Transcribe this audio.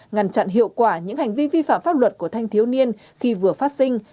ngăn chặn hiệu quả những hành vi vi phạm pháp luật của thanh thiếu niên khi vừa phát sinh